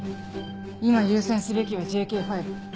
今優先すべきはＪＫ５。